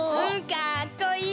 かっこいい！